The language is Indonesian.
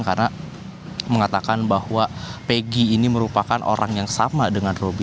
karena mengatakan bahwa pg ini merupakan orang yang sama dengan robby